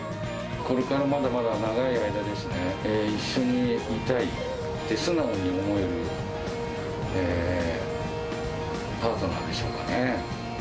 これからまだまだ長い間ですね、一緒にいたいって素直に思えるパートナーでしょうかね。